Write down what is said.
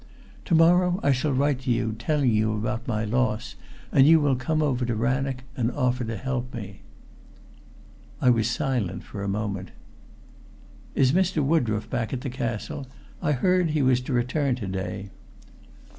To morrow I shall write to you telling you about my loss, and you will come over to Rannoch and offer to help me." I was silent for a moment. "Is Mr. Woodroffe back at the castle? I heard he was to return to day."